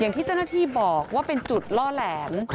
ที่เจ้าหน้าที่บอกว่าเป็นจุดล่อแหลม